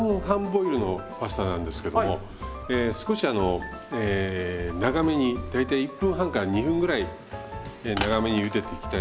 ボイルのパスタなんですけども少し長めに大体１分半から２分ぐらい長めにゆでていきたいなと思います。